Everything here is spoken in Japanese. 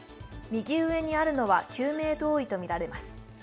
右上にあるのは救命胴衣とみられます。